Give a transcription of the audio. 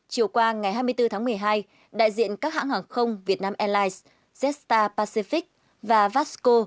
chiều qua ngày hai mươi bốn tháng một mươi hai đại diện các hãng hàng không việt nam airlines jetstar pacific và vasco